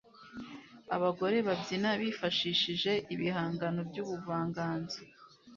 abagore babyina bifashishije ibihangano by'ubuvanganzo